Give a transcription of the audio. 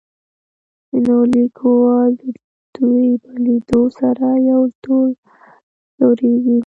نو ليکوال د دوي په ليدو سره يو ډول ځوريږي.